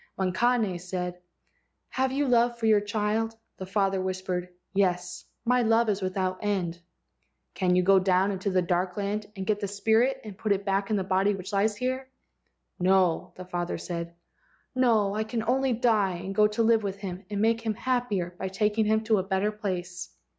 When Kane said, "Have you love for your child?" the father whispered: "Yes. 1 My love is without end." "Can you go down into the dark land and get that spirit and put it back in the body which lies here?" "No," the father said, "no, I can only die and go to live with him and make him happier by taking him to a better place."